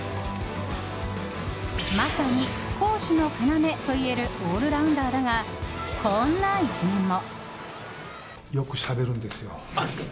まさに攻守の要といえるオールラウンダーだがこんな一面も。